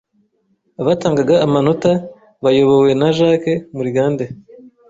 Abatangaga amanota bayobowe na Jacques Murigande